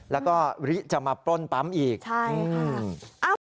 แล้วก็จะมาปล้นปั๊มอีกอืมใช่ค่ะอ้าว